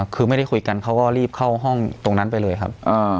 คือไม่ได้คุยกันเขาก็รีบเข้าห้องตรงนั้นไปเลยครับ